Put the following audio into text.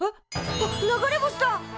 あっ流れ星だ！